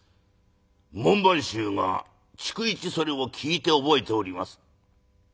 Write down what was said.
門番衆が逐一それを聞いて覚えております」。